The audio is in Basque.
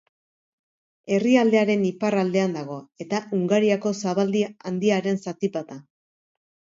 Herrialdearen iparraldean dago eta Hungariako zabaldi handiaren zati bat da.